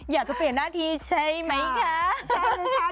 อยากจะเปลี่ยนหน้าทีใช่ไหมคะก็ค่ะใช่เลยค่ะ